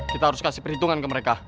kita harus kasih perhitungan ke mereka